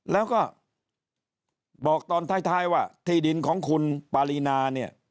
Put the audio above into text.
แล้วก็บอกตอนท้ายว่าที่ดินของคุณปารีนาเนี่ย